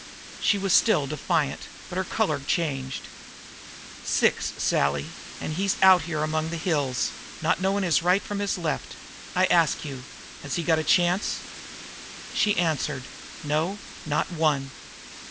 She was still defiant, but her colour changed. "Six, Sally, and he's out here among the hills, not knowing his right from his left. I ask you: has he got a chance?" She answered: "No; not one."